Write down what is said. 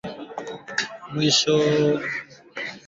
Akina na akiri kumasomo